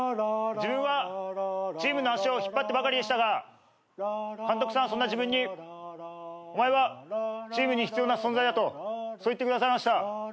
自分はチームの足を引っ張ってばかりでしたが監督さんはそんな自分に「お前はチームに必要な存在だ」とそう言ってくださいました。